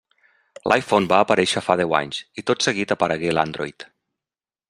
L'iPhone va aparèixer fa deu anys, i tot seguit aparegué l'Android.